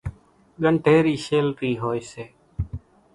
ڳنڍيرِي شيلرِي هوئيَ سي۔